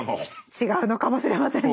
違うのかもしれませんね。